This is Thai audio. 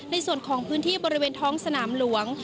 ในพื้นที่บริเวณท้องสนามหลวง